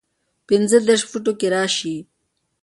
پنځۀدېرش فوټو کښې راشي